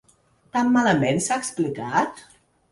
Tan malament s’ha explicat?